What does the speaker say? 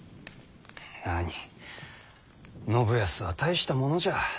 なに信康は大したものじゃ。